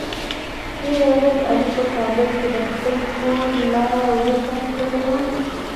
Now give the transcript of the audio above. تېره ورځ علي په کابل کې د خپل کور لاره ور که کړې وه.